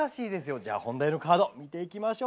じゃあ本題のカード見ていきましょう。